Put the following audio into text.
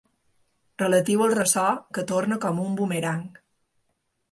Relatiu al ressò que torna com un bumerang.